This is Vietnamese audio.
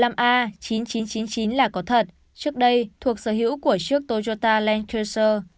biển ba mươi năm a chín nghìn chín trăm chín mươi chín là có thật trước đây thuộc sở hữu của chiếc toyota land cruiser